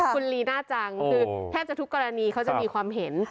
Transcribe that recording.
คุณลีน่าจังคือแทบจะทุกกรณีเขาจะมีความเห็น